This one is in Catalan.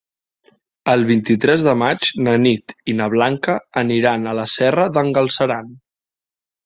El vint-i-tres de maig na Nit i na Blanca aniran a la Serra d'en Galceran.